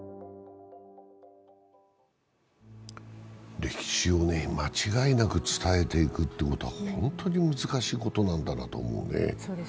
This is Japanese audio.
歴史を間違いなく伝えていくということは本当に難しいことなんだなと思いますね。